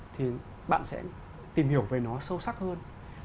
thì bạn sẽ tìm hiểu về nó sâu sắc hơn